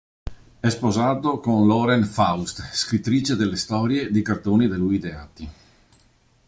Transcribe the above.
È sposato con Lauren Faust, scrittrice delle storie dei cartoni da lui ideati.